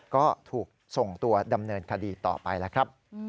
ก็ถูกส่งตัวดำเนินคดีต่อไปแล้วครับ